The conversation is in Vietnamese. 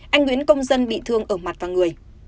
anh nguyễn công dân bị thương ở mặt và người